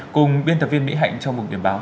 cùng biên tập viên mỹ hạnh trong một điểm báo